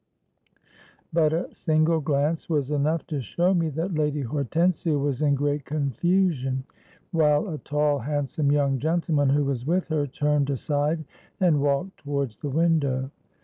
But a single glance was enough to show me that Lady Hortensia was in great confusion, while a tall, handsome, young gentleman who was with her turned aside and walked towards the window.